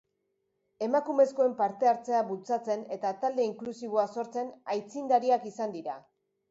Emakumezkoen parte hartzea bultzatzen eta talde inklusiboa sortzen aitzindariak izan dira.